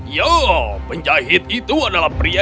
ya penjahit itu adalah pria